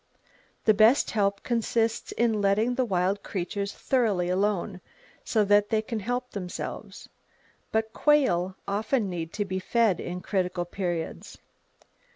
The best help consists in letting the wild creatures throughly alone, so that they can help themselves; but quail often need to be fed in critical periods.